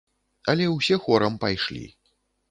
Але ўсе хорам пайшлі.